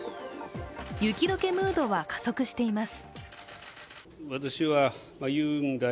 雪どけムードは加速しています。